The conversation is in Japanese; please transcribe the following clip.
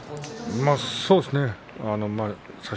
そうですね。